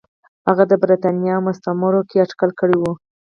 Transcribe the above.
هغه د برېټانیا او مستعمرو کې اټکل کړی و.